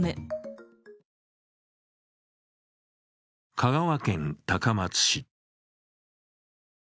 香川県高松市。